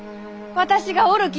私がおるき！